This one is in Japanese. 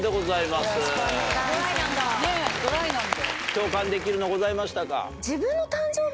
共感できるのございましたか？